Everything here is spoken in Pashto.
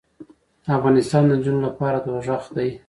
دافغانستان د نجونو لپاره دوزخ دې